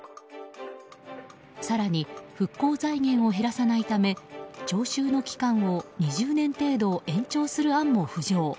更に、復興財源を減らさないため徴収の期間を２０年程度、延長する案も浮上。